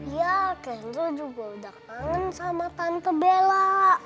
ya kenzo juga udah kangen sama tante bella